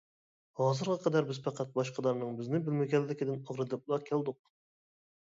ھازىرغا قەدەر بىز پەقەت باشقىلارنىڭ بىزنى بىلمىگەنلىكىدىن ئاغرىنىپلا كەلدۇق.